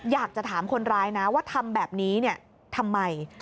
อยากจะถามคนร้ายนะว่าทำแบบนี้ทำไม